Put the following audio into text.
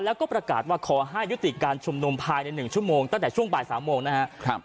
แล้วก็ประกาศว่าขอให้ยุติการชุมนุมภายใน๑ชั่วโมงตั้งแต่ช่วงบ่าย๓โมงนะครับ